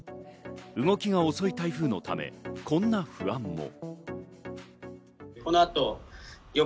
動きが遅い台風のため、こんな不安も。